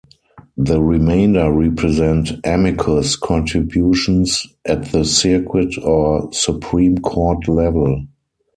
The remainder represent "amicus" contributions at the circuit or Supreme Court level.